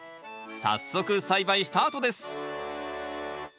早速栽培スタートです！